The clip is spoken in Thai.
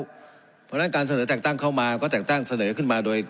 เพราะฉะนั้นการเสนอแต่งตั้งเข้ามาก็แต่งตั้งเสนอขึ้นมาโดย